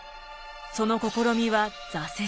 その試みは挫折。